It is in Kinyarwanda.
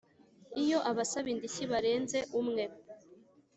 Iyo abasaba indishyi barenze umwe